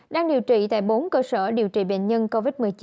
đang điều trị tại bốn cơ sở điều trị bệnh nhân covid một mươi chín